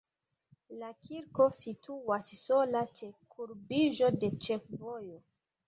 La kirko situas sola ĉe kurbiĝo de ĉefvojo.